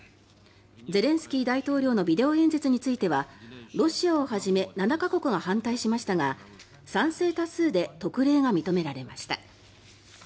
ゼレンスキー大統領のビデオ演説についてはロシアをはじめ７か国が反対しましたが賛成多数で特例が認められました。